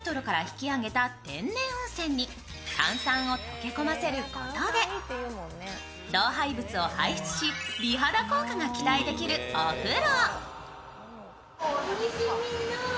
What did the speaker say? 地下１５００ｍから引き上げた天然温泉に炭酸を溶け込ませることで老廃物を排出し、美肌効果が期待できるお風呂。